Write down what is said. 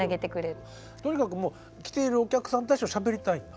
とにかく来ているお客さんたちとしゃべりたいんだ。